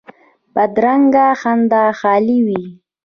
بدرنګه خندا خالي وي